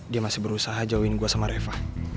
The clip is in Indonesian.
dia masih berusaha jauhin gue sama reva